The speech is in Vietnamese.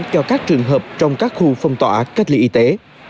cho các trường hợp trong các khu phong tỏa cách ly y tế